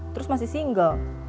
terus masih single